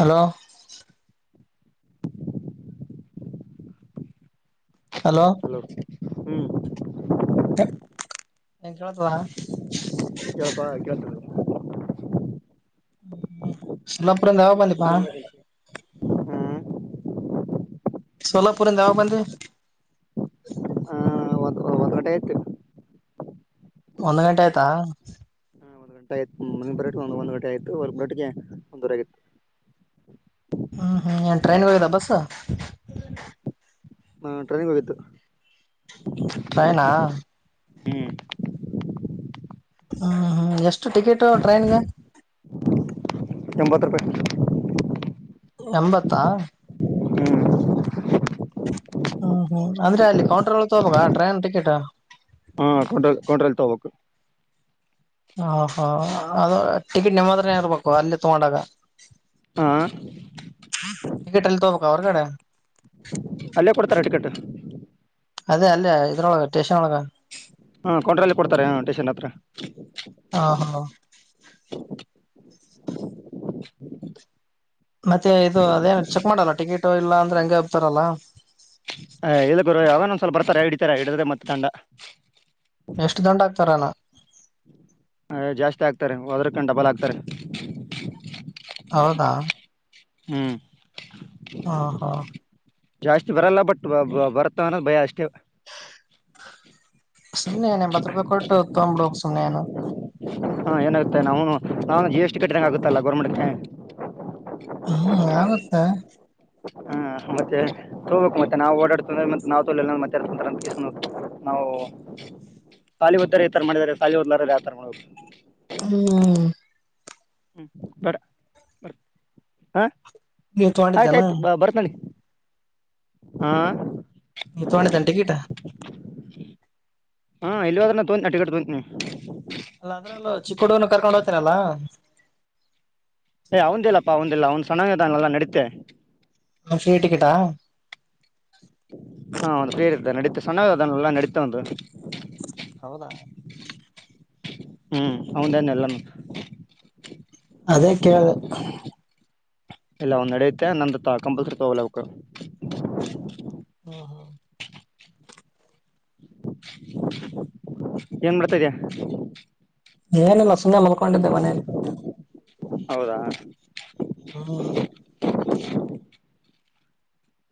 Hello hello ಹ್ಮ್ ನ್ ಕೇಳತದ ಕೇಳ್ಪಾ ಕೇಳ್ತ ಸಲ್ಲಪುರ ಯಾವಗ ಬಂದ ಹ್ಮ್ ಸೋಲಾಪುರಂದ ಯಾವ ಬಂದಿ ಬ ಹಟತ [unintelligible] ಒಂದು ಗಂಟೆ ಆಯ್ತಾ ಒ ಗಂಟೆ ಆಯತ ಬ ಒಂದ ಒಂದು ಗಂಟೆ ಆಯ್ತು ಒ ಗಂಟೆಗೆ ಒಂದರ ಆತ್ತು ಹ್ಮ್ ಹ್ಮ್ ಟ್ರೈನ್ ಬದಾ ಬಸ್ ಹ ಟ್ರೈನಿಂಗ್ ಹೋಗಿದ್ದು. ಟ್ರೈನಾ ಹ್ಮ್ ಹ್ಮ್ ಹ್ಮ್ ಎಷ್ಟು ಟಿಕೆಟು ಟ್ರೈನ್ಗೆ ಎಂಬತ್ತು ರೂಪಾಯಿ. ಎಂಬತ್ತಾ ಹ್ಮ್ ಹ್ಮ್ ಹ್ಮ್ ಅಂದ್ರೆ ಅಲ್ಲಿ ಕೌಂಟ್ ರಲ್ಲಿ ತಗೊಳ್ಬೇಕಾ ಟ್ರೈನ್ ಟಿಕೆಟ್. ಹಾ ಕೊಂಡ ಕೊಂಡ್ರಲ್ ತೋಗಬೇಕು. ಹ ಹಾ ಅದು ಟಿಕೆಟ್ ನಿಮ್ಮತ್ರನ ಇರರ್ಬೇಕು ಅಲ್ಲಿ ತಗೊಂಡಾಗ. ಹಾ ಟಿಕೆಟ್ ಎಲ್ಲಿ ತಗೋಬೇಕು ಹೊರಗಡೆ. ಅಲ್ಲೇ ಕೊಡ್ತಾರೆ ಟಿಕೆಟ್. ಅದೇ ಅಲ್ಲೇ ಇದ್ರೊಳಗೆ ಸ್ಟೇಷನ್ ಒಳಗ ಹಾ ಕೌಂಟರಲ್ಲೆ ಕೊಡ್ತಾರೆ ಹ ಸ್ಟೇಷನ್ ಹತ್ರ. ಹಾ ಹಾ ಮತ್ತೆ ಇದು ಅದೇನ್ ಚೆಕ್ ಮಾಡಲ್ಲ ಟಿಕೆಟ್ ಇಲ್ಲ ಅಂದ್ರೆ ಹಂಗೆ ಇರ್ತಾರಲ್ಲ. ಏ ಇಲ್ಲ ಗುರು ಯಾವನ ಒಂದ್ ಬರ್ತಾರೆ ಹಿಡಿತಾರೆ ಹಿಡಿದ್ರೆ ಮತ್ತೆ ದಂಡ. ಎಷ್ಟು ದಂಡ ಆಗ್ತಾರಣ್ಣಾ. ಅ ಜಾಸ್ತಿ ಆಗ್ತಾರೆ ಹೋದ್ರ್ಕೊಂಡು ಡಬಲ್ ಆಗ್ತಾರೆ ಹೌದಾ ಹ್ಮ್ ಹಾ ಹಾ ಜಾಸ್ತಿ ಬರಲ್ಲ ಬಟ್ ಬರುತ್ತೆ ಅನ್ನೋ ಭಯ ಅಷ್ಟೇ. ಸುಮ್ಮ್ನೆ ಏನ್ ಎಂಬತ್ ರೂಪಾಯಿ ಕೊಟ್ಟ ತಗೊಂಡ್ ಬಿಡಬೇಕು ಸುಮ್ನೆ ಏನು. ಹಾ ಏನಾಗುತ್ತೆ ನಾವುನೂ ನಾನು ಜಿ ಎಸ್ ಟಿ ಕಟ್ಟಿದಂಗ ಆಗುತ್ತಲ್ಲ ಗೌರ್ಮೆಂಟ್ಕೆ. ಹ ಆಗುತ್ತೆ ಹ್ಮ ಮತ್ತೆ ತಗೋಬೇಕು ಮತ್ತೆ ನಾವ್ ಓಡಾಡ್ತೀವಲ್ಲ ಮತ್ತ್ ನಾವ್ ತೊಳಿಯಲ್ವಾ ಮತ್ಯಾರ್ ತಗೊಂತರೆ ಅಂತ ಹೇಳಿ ಸುಮ್ನಾಗ್ ಬೇಕು. ನಾವು ಓ ಸಾಲಿ ಓದ್ತಾರೆ ಈ ತರ ಮಾಡಿದ್ದಾರೆ ಸಾಲಿ ಊರ್ನವರು ಯಾವತರ ಮಾಡ್ಬೇಕು. ಹ್ಮು ಹ್ಮ್ ಬೇಡ ಬರ್ ಆ. ನೀವ್ ತಗೊಂಡಿದ್ದಾನ ಆಯ್ತಾಯ್ತು ಬ ಬರ್ತ್ನಲ್ಲಿ ಹಾ. ನೀ ತಗೊಂಡಿದ್ದೇನೆ ಟಿಕೆಟಾ. ಹಾ ಇಲ್ಲಿ ಹೋದ್ರೆನು ತೋನ್ಅಟ್ಟಗಟ್ಟು ತೊಯ್ತೀನಿ. ಅಲ್ಲ ಅದ್ರ ಅಲ್ಲೂ ಚಿಕ್ಕ ಹುಡುಗನು ಕರ್ಕೊಂಡ ಹೋಗ್ತೇನಲ್ಲಾ. ಹೌನ್ ದಿಲ್ಲಪ್ಪ ಅವಂದಿಲ್ಲ ಅವಂದ್ ಸಣ್ಣಗಿದಾನಲ್ಲ ನಡೆಯುತ್ತೆ. ಮ ಶ್ರೀ ಟಿಕಿಟ್ಟ ಹಾ ಒಂದು ಫೀ ಇರ್ತ್ತ ನಡೀತ ಸಣ್ಣ ಅದಲ್ಲ ನಡೀತ್ತೆ ಅವು ಹೌದಾ ಹ್ಮ್ ಹೌದೇನೆ ಎಲ್ಲಾಮು ಅದೇ ಕೇಳ್ದೆ ಇಲ್ಲ ಅವನು ನಡೆಯುತ್ತೆ ನಂದು ಕಂಪ್ಯೂಟರ್ ವೊರ್ಲವಕ್ಕು. ಹೋ ಹೋ ಏನ್ ಮಾಡುಡ್ತದೆ. ಏನಿಲ್ಲ ಸುಮ್ಮನೆ ಮಲ್ಕೊಂಡಿದ್ದೆ ಮನೇಲಿ. ಹೌದಾ ಹೋ ಹ್ಮ [inaudible]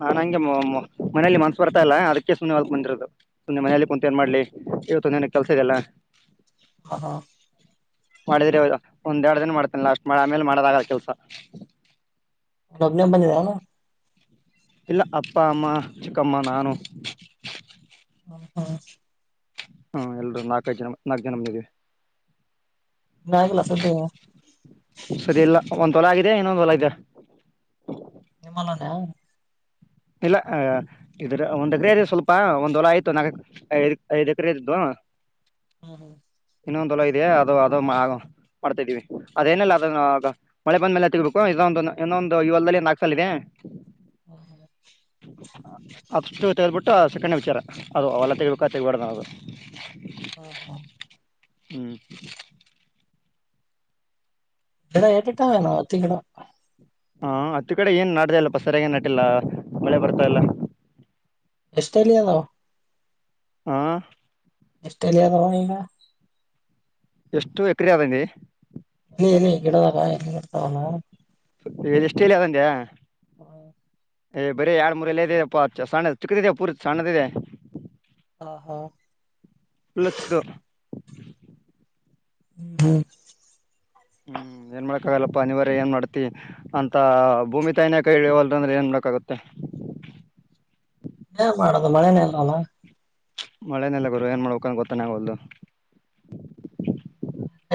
ನಾನ್ ಹಂಗೆ ಮೋ ಮೋ ಮನೇಲಿ ಮನ್ಸ್ ಬರ್ತಾ ಇಲ್ಲ ಅದಕ್ಕೆ ಸುಮ್ಮನೆ ಬಂದಿರದು ಸುಮ್ಮನೆ ಮನೇಲಿ ಕುಂತ ಏನ್ ಮಾಡ್ಲಿ. ಇವತ್ತು ನನಗೆ ಕೆಲ್ಸ ಇದೆಯಲ್ಲಾ. ಹ ಹಾ ಮಾಡಿದ್ರೆ ಒಂದ್ರೆಡು ದಿನ ಮಾಡ್ತೇನಿ ಲಾಸ್ಟ್ ಆಮೇಲೆ ಮಾಡದಾಗಲ್ಲ ಕೆಲ್ಸ. ಒಬ್ಬನೇ ಬಂದಿದ್ಯೇನೋ. ಇಲ್ಲ ಅಪ್ಪ ಅಮ್ಮ ಚಿಕ್ಕಮ್ಮ ನಾನು ಹ ಹಾ ಹ್ಮ ಎಲ್ರುೂ ನಾಕೈ ಜನ ನಾಕು ಜನಮ ಇದವಿ ನ ಕ್ಲಾಸ್ದ ಚಲ ಆಗಿದ ಇನ್ನೊಂದು ಹೊಲ ಇದ್ದ ನಿಮಾಲಾನ ಇಲ್ಲ ಇದ್ರ ಒಂದ್ ಎಕರೆ ಇ ಸ್ವಲ್ಪ ಒಂದ್ ಹೊಲ ಆಯ್ತು ನಾಲ್ಕ ಐದ ಐ್ ಎಕರೆ ಇದಿದ್ದು ಹ್ಮ ಹ ಇನ್ನೊಂದೊಲ ಇದೆಯಾ ಅದು ಅದುಗ ಮಾಡ್ತಾ ಇದಿದ್ದೀವಿ ಅದೇನಲ್ಲ ಅದ ಮಳೆ ಬಂದ ಮೇಲೆ ತಿಗಬೇಕು ಇದೊಂದು ಇನ್ನೊಂದು ಇವಲ್ಲ್ಲಿ ನಾಕ ಸಾಲ ಇದೆ ಹ ಅಸ್ಟ್ ತೆಗೆಬಿಟ್ಟು ಸೆಕಂಡ್ ವಿಚಾರ ಅದು ಅವೆಲ್ಲ ತೆಗಬೇಕ ತೆಗಬಾರಡ್ದ ನ ಅದು ಹಾ ಹಾ ಹ್ಮ್ ಗಿಡ ಏಟು ಏಟು ಅದವ ಏನು ತಿಗಳು ಹಾ ಅತ್ತು ಕಡೆ ಏನ್ ನಾ್ದಲ್ಲಪ್ಪ ಸರಿಯಾಗ ನಾಟಿಲ್ಲ ಮಳೆ ಬರ್ತಾ ಎಲ್ಲ ಎಷ್ಟಟ್ರೇಲಿಯದಾವ ಹಾ ಎಷ್ಟರಲ್ಲಿದವ ಇನ್ನ ಎಷ್ಟು ಎಕ್ರೆ ಅದನಿ ಇದೆ ಎಲ್ಲಿ ಗಿಡದಾಗ ಎಂಗ ಇರ್ತಾವಲ್ಲ ಎಷ್ಟ ಎಲ್ಲಿ ಅಂದ್ಯಾ ಹ್ಮ ಏ್ ಬರೀ ಎರಡ್ ಮೂರ ಎಲ್ಲ ಇದೆಪ್ಪ ಸಣ್ಣ ಚಿಕ್ಕದಿದೆೆಯ ಪೂರ ಸಣ್ಣದ ಇದೆ ಹಾ ಹಾ ಪ ಲೋಚ್ಕದರ್ ಹ್ಮ್ ಹ್ಮ್ ಏನ್ ಮಾಡಕ್ ಆಗಲ್ಲಪ್ಪಾ ಅನಿವಾರ್ಯ ಏನ್ ಮಾಡ್ತಿ ಅಂತ ಭೂಮಿ ತಾಯಿನೇ ಕೈ ಇಡಿವಳ್ಳು ಅಂದ್ರೆ ಏನ್ ಮಾಡಕಾಗುತ್ತೆ ಏ ಮಾಡದು ಮಳೆನೇ ಇಲ್ವಲ್ಲ ಮಳೆನೆೆಲ್ಲ ಗುರು ಏನ್ ಮಾಡ್ಬೇಕಂತ ಗೊತ್ತಾನೆ ಆಗವಲ್ದು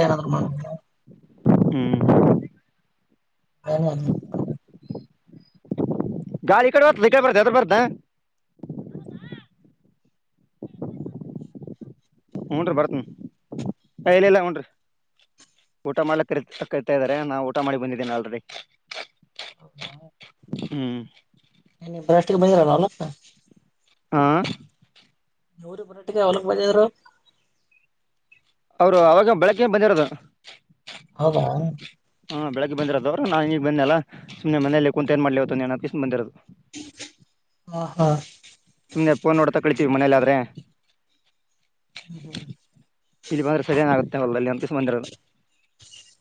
ಏನಾದ್ರೂ ಮಾಡಂ ಹ್ಮ್ ಹ ಗಾಳ ಈ ಕಡೆ ಹೋತದ ಈ ಕಡೆ ಬರ್ತ ಎದುರು ಬರ್ತದ ಊನ್ರಿ ಬರ್ತೀನಿ ಎ ಇಲ್ಲ ಇಲ್ಲ ಊನ್ರಿ ಊಟ ಮಾಡ್ಕ್ ಕ ಕರಿತಾ ಇದಾರೆ ನಾ ಊಟ ಮಾಡಿ ಬಂದಿದ್ದೀನಿ ಆಲ್ರೆಡಿ ಹೌದಾ ಹ್ಮ್ ಏ ನೀವು ಫಸ್ಟ್ ಗೆ ಬಂದಿದ್ರಲ್ಲ ಅವತ್ತ ಹಾ ಇವರು ಬರಾಟಿಗೆ ಅವಲಕ್ ಬಂದಿದ್ರು ಅವರು ಅವಾಗ ಬೆಳಿಗ್ಗೆ ಬಂದಿರೋದು ಹೌದಾ ಹಾ ಬೆಳಗ್ ಬಂದರೋದ ಅವರುನಾ ಈಗ ಬಂದೆ ಅಲ್ಲ ಸುಮ್ನೆ ಮನೇಲಿ ಕುಂತು ಏನು ಮಾಡ್ಲಿ ಇವತ್ತೊಂದಿಸ ಅಂತ ಬಂದಿರದು ಹಾ ಹಾ ಸುಮ್ಮನೆ ಫೋನ್ ನೋಡತಾ ಕಳಿತೀವಿ ಮನೇಲಿ ಆದ್ರೆ ಹ್ಮ್ ಹ್ಮ್ ಇಲ್ಲಿ ಬಂದ್ರೆ ಸದಿಯನ ಆಗುತ್ತೆ ಹೊಲದಲ್ಲಿ ಅಂತ ಬಂದಿರದು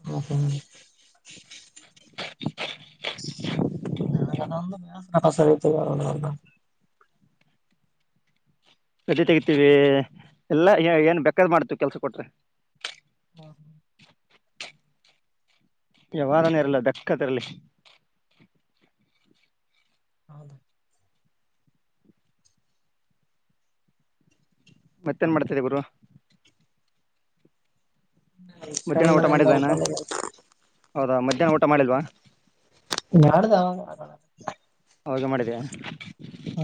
ಹ ಹ [unintelligible] [unintelligible] ಸದಿ ತೆಗೀತಿವಿ ಎಲ್ಲಾ ಏನ್ ಬೆೇಕಾದ ಮಾಡ್ತವಿ ಕೆಲ್ಸ ಕೊಟ್ರೆ ಹ್ಮ ವ್ಯವಹಾರಾನೇ ಇರಲ್ಲ ಕ್ಕದರಲ್ಲಿ ಹೌದ [unintelligible] ಮತ್ತೇನ್ ಮಾಡ್ತರಿ ಗುರು ಫ್ರೆಂಡ್ ಮಧ್ಯಾಹ್ನ ಊಟ ಮನೇಲಿ ಮಾಡಿಲ್ವಾ ಏನ ಮಲ್ಕೊಂಡಿದ್ದೆ ಹೌದಾ ಮಧ್ಯಾಹ್ನ ಊಟ ಮಾಡಿಲ್ವಾ ನಾಡ್ದ ಆವಾಗ ಮಾಡಿದಿಯಾ ಹ್ಮ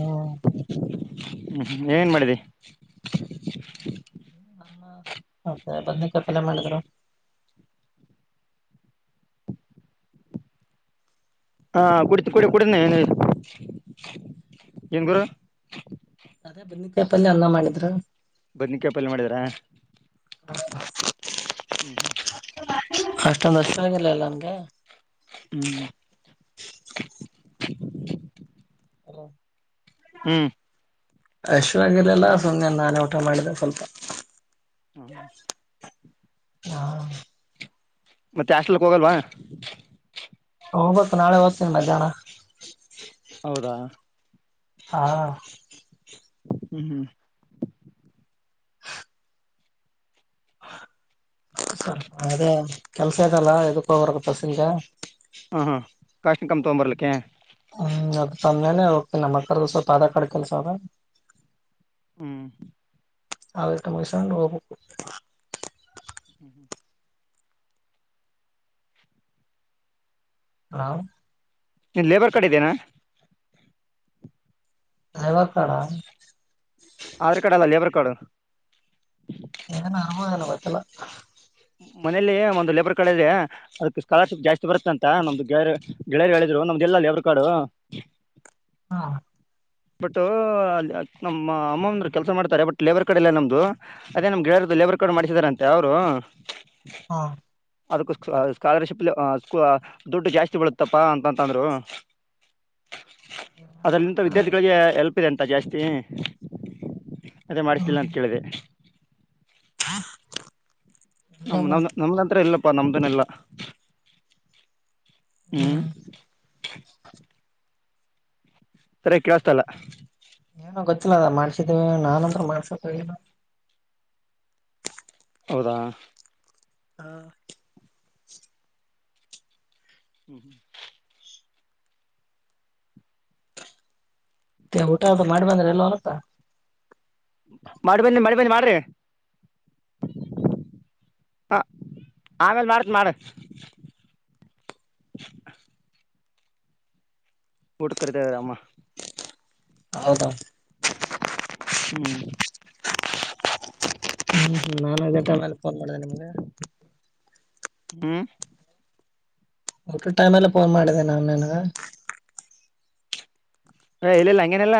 ಹ್ಮ್ ಏನ್ ಮಾಡಿದ್ದಿ ಅನ್ನ ಮತ್ತೆ ಬದನೆಕಾಯಿ ಪಲ್ಯ ಮಾಡಿದ್ರು ಹಾ ಕುಡಿತೀನಿ ಕುಡಿ ಕುಡಿ ಏನ ಏನ್ ಗುರು ಅದೇ ಬದನೆಕಾಯಿ ಪಲ್ಯ ಅನ್ನ ಮಾಡಿದ್ರು ಬದನೇಕಾಯಿ ಪಲ್ಯಮಾಡಿದರಾ ಹ್ಮ [unintelligible] ಹ್ಮ್ ಹ್ಮ್ ಅಷ್ಟೊಂದ ಅಷ್ಟ ಆಾಗಿಿಲ್ಲಲ್ಲ ನನ್ಗೆ ಹ್ಮ್ ಹ್ಮ್ ಅಶ್ವಾಗಲ್ಲಲ್ಲ ಸು ನಾನೆ ಮಾಡಿದ ಸ್ವಲ್ಪ ಹ್ಮ ಹಾ ಮತ್ತೆ ಆಷ್ಟಲ್ಕ್ ಹೋಗಲ್ವಾ ಹ ಬತ್ತು ನಾಳೆ ಹೊತಲ್ಲ ಜಾಣ ಹೌದಾ ಹಾ ಹ್ಮ್ ಹ್ಮ್ ಸ್ವಲ್ಪ ಅದೇ ಕೆಲ್ಸ ಇದಲ್ಲ ಇದಕ್ಕ ಹೋಗ್ರ ಬಸಗೆ ಕಷ್ಣನ್ ಕಮಿ ತೊಂಬರಲಿಕ್ಕಕ್ಕೆ ಹ್ಮ್ ಅದ ಸಮ್ಮ್ಯಾನೇ ಹೋಗ್ತಿ ನಮ್ಮ್ ಅಕ್ಕರ್್ದ ಸ್ವಲ್ಪ ಅದ ಕಡೆ ಕೆಲ್ಸ ಅವ ಹ್ಮ್ ಹಟ್ಟ ಮಸ ಹೋಗ ಹ್ಮ್ ಹ್ಮ್ ಹಾ ನೀನ್ ಲೇಬರ್ ಕಡೆಿದ್ದೇನಾ ನವಾ ಕಡ ಆಧಾರ್ ಕಾರ್ಡ್ ಅಲ್ಲ ಲೇಬರ್ ಕಾರ್ಡ್ ನ ಕೆಲ್ಲ ಮನೇಲಿ ಒಂದು ಲೇಬರ್ ಕಡೆದೆ ಅದಕ್ ಸ್ಕಾಲರ್ಶಿಪ್ ಜಾಸ್ತಿ ಬರುತ್ತೆ ಅಂತ ನಮ್ದು ಗೆ ಗೆಳೆಯರು ಹೇಳ ನಮ್ದು ಎಲ್ಲಲ್ಲಿ ಅವ್ರ ಕಾಡು ಹಾ ಬಟ್ ನಮ್ಮ ಅಮ್ಮ ಅಂದರು ಕೆಲ್ಸ ಮಾಡ್ತಾರೆ ಬಟ್ ಲೇಬರ್ ಕಡೆ ಇಲ್ಲ ನಮ್ದು ಅದೇ ನಮ್ಗೆಳರ್ ಲೇಬರ್ ಕಡ್ ಮಾಡಿಸಿದಾರಂತೆ ಅವರು ಹಾ ಅದಕ್ಕ ಸ್ಕಾಲರ್ಶಿಪ್ ದುಡ್ಡು ಜಾಸ್ತಿ ಬಳತ್ತಪ್ಪಾ ಅಂತಂತಂದ್ರು ಅದಲ್ಲಿಂತ ವಿದ್ಯಾರ್ಥಿಗಳಿಗೆ ಎಲ್ಪ್ ಇದೆ ಅಂತ ಜಾಸ್ತಿ ಅದೇ ಮಾಡ್ಿಸ್ಿಲ್ಲ ಅಂತ ಕೇಳ್ದಿದೆ ಹ ನಮ್ ನಮ ನಮತ್ರ ಇಲ್ಲಪ್ಪಾ ನಮ್ದನೆಲ್ಲ ಹ್ಮ್ ಸರಿ ಕೇಳಸ್ತಲ್ಲ ದ ಮಾಡ್ಸಿದೇವಿ ನಾನನ್ಂದ ಮಾಡ್ಸತಲ್ಲ ಹೌದ ಹಾ ಹ್ಮ್ ಹ್ಮ್ ಊಟಾದ್ ಮಾಡ್ಬಂದ್ರ ಎಲ್ಲ ಒಲಕ ಮಾಡಿ ಬನ್ನಿ ಮಾಡಿ ಬನ್ನಿ ಮಾಡ್ರಿ ಹ ಆಮೇಲ್ ಮಾಡತ್ ಮಾಡ [inaudible] ಊಟ್ ಕರ್ತೇದ್ರಮ್ಮ ಹೌದ ಹ್ಮ್ ಹ್ಮ ನಾನು ಅದೇ ಟೈಮೇಲೆ ಫೋನ್ ಮಾಡಿದೆೇನೆ ನಿಮ್ಗೆ ಹ್ಮ್ ಒಟ್ಟು ಟೈಮ್ಲ ಫೋನ್ ಮಾಡಿದೆೇ ನಾವ್ ನಿನ್ಗ ಹ ಇಲ್ಲಲ್ಲ ಅಂಗೆನಿಲ್ಲ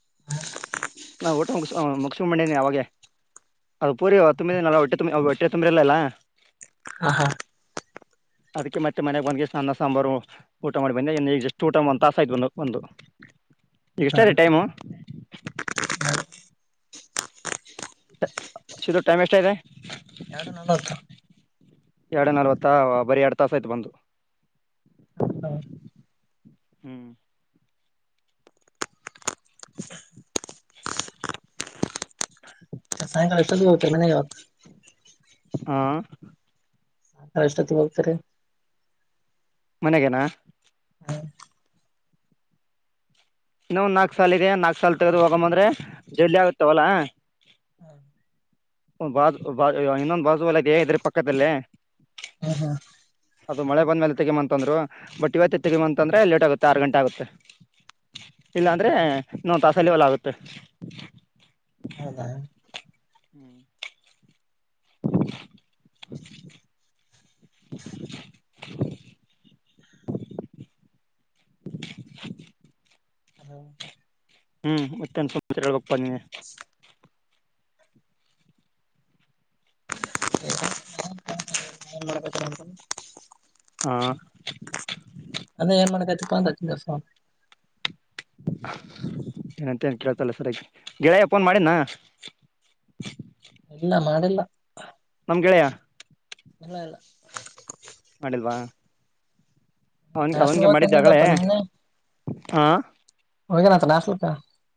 [inaudible] ಹಾ ಊಟ ಮುಗಿಸ ಮುಗಿಸ ಮಂಡಿನನಿ ಯಾವಾಗೆ ಅದು ಪೂರಿ ತುಂಬಿದನ ಹೊಟ್ಟೆ ತುಂಬಿ ಹೊಟ್ಟೆ ತುಂಬಿರ್ಲಿಲ್ಲ ಹ ಹಾ ಅದಕ್ಕೆ ಮತ್ತೆ ಮನೆಗ ಬಂದ್ ಅನ್ನ ಸಾಂಬಾರು ಊಟ ಮಾಡಿ ಬಂದೆಗ ಜಸ್ಟ್ ಊಟ ಒಂದ ತಾಸ ಆಯ್ ಒ ಒಂದು ಎಷ್ಟ ರೀ ಹೌದಾ ಟೈಮು [inaudible] ಸಿದ ಟೈಮ್ ಎಷ್ಟ ಇದೆ ಎರಡು ನಲ್ವತ್ತು ಎರಡು ನಲ್ವತ್ತ ಬರಿ ಎರಡು ತಾಸ ಆಯ್ತು ಬಂದು ಹಾ ಹ್ಮ್ ಸಾಯಂಕಾಲ ಎಷ್ಟೊತ್ತಿಗೆ ಹೋಗ್ತಾರೆ ಮನೆಗೆವತ್ತು ಹಾ [unintelligible] ಮನೆಗೆೇನಾ ಹ್ಮ್ ಇನ್ನೊ ಒಂದ್ ನಾಲ್ಕು ಸಾಲ ಇದೆ ನಾಲ್ಕ್ ಸಲ್ ತೆೆಗೆದು ಹೋಗಂಬಂದ್ರೆ ಜಲ್ಲಿ ಆಗುತ್ತಾ ಒಲ ಬ ಬ ಇನ್ನೊಂದು ಬಾಸು ಒಲಗೆ ಇದ್ರ ಪಕ್ಕದಲ್ಲೇ ಹ ಅದು ಮಳೆ ಬಂದ್ಮೇಲೆ ತೆಗಂತ ಅಂದ್ರು ಬಟ್ ಇವತ್ತ ತೆಗಮಂತಂದ್ರೆ ಲೇಟ್ ಆಗುತ್ತೆ ಆರು ಗಂಟೆ ಆಗುತ್ತೆ ಹ್ಮ್ ಇಲ್ಲಾಂದ್ರೆ ಹ್ಮ್ ನೋ ವನ್ ತಾಸಲ್ಲಿ ಹೊಲ ಆಗುತ್ತೆ ಹೌದಾ ಹ್ಮ್ [unintelligible] [inaudible] ಹ್ಮ್ ಮತ್ತೆಳ್ಬೇಕಪ್ಪಾ ನಿಗೆ ಮಾಡ್ಬೇಕ್ರ ಅಂತ ಹಾ ಅಂದೇ ಏನ್ ಮನೆ ಕಚಪ್ಪಾಂತ ದಸ ಏನಂತ ನ್ ಕೇಳ್ತಲ್ಲ ಸರಿಯಾಗಿ ಗೆಳೆಯ ಫೋನ್ ಮಾಡಿನ ಇಲ್ಲ ಮಾಡಿಲ್ಲ ನಮ್ಗೆಳೆಯ ಇಲ್ಲ ಅಲ್ಲ ಅಡಿಲ್ವಾ ಹ [unintelligible]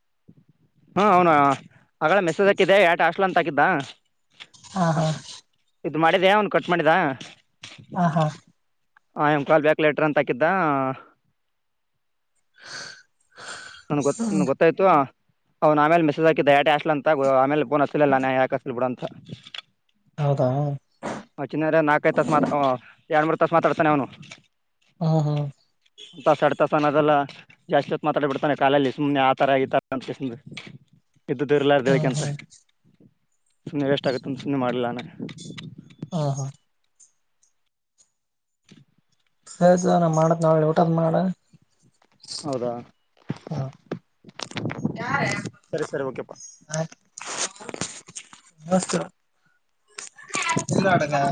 ಹಾ ಹನಾ ಆಗಳ ಮೆಸೇಜ್ ಹಾಕಿದ್ದ ಯಾಟ್ ಆಸ್ಲ ಅಂತ ಹಾಕಿದ್ದ ಹ ಹಾ ಇದ್ ಮಾಡಿದ ಅವನ್ ಕಟ್ ಮಾಡಿದ ಹ ಹಾ ಹ ಎಮ್ ಕಾಲ್ ಬ್ಯಾಕ್ ಲೆಟರ್ ಅಂತಂತಾಕಿದ್ದ ನನ್ ಗೊ ಗೊತ್ತಾಯ್ತು ಅವ್ನ್ ಆಮೇಲೆ ಮೆಸೇಜ್ ಹಾಕಿದ್ದ ದಯಾಟ ಆಲ್ ಅಂತ ಆಮೇಲೆ ಪುನಃ ಆಚಿಲ್ಲ ಯಾಕ ಬಿುಡ ಅಂತ ಹೌದಾ ಚಿನ್ನ ನಾಲ್ಕೈದು ತಾಸಸ ಮಾತ ಎರಡು ಮೂರು ತಾಸಸ ಮಾತಾಡ್ತಾನೆ ಅವನು ಹ್ಮ ಹಾ ದೆಲ್ಲ ಜಾಸ್ತಿ ಹೊತ್ ಮಾತಾಡ್ಬ ಬಿಡ್ತಾನೆ ಕಾಲಲ್ಲಿ ಸುಮ್ನೆ ಆತರ ಈ ತರ ಅಂತಸ ಇದ್ದ್ದ ಇರ್ಲಾರ ದೇಳಕ್ಕೆ ಹ್ಮ್ ಹ್ಮ್ ಅಂತ ಹ್ಮ ಸುಮ್ಮನೆ ವೇಷ್ಟ ಆಗುತ್ತ ಸುಮ್ಮನೆ ಮಾಡಲಿಲ್ಲಾನ ಹಾ ಹಾ ಹಸ ನಾ ಮಾಡತ್ ನಾವ ಊಟದ್ ಮಾಡ ಹೌದಾ ಯಾರ ಸರಿ ಸರಿ ಓಕೆ ದೊಸ್ತ ಎಲ್ಲಿ ನೋಡಾ